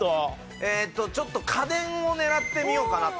えーっとちょっと家電を狙ってみようかなと。